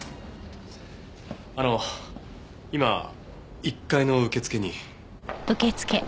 あの今１階の受付に。